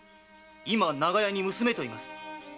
今長屋に娘といます。